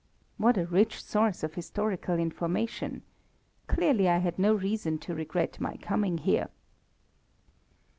What a rich source of historical information. Certainly I had no reason to regret my coming here.